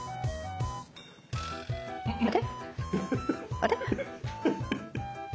あれ？